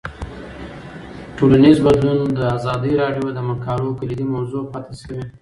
ټولنیز بدلون د ازادي راډیو د مقالو کلیدي موضوع پاتې شوی.